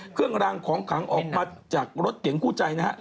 เครื่องรางของคางออกมาจากรถเตี๋ยงกู้ใจนะครับ